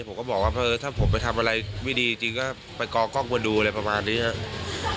ผมก็บอกว่าเออถ้าผมไปทำอะไรไม่ดีจริงก็ไปกอกล้องมาดูอะไรประมาณนี้ครับ